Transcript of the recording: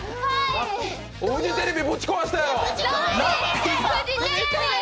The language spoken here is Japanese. フジテレビぶち壊したやろ？